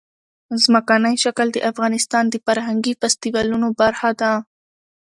ځمکنی شکل د افغانستان د فرهنګي فستیوالونو برخه ده.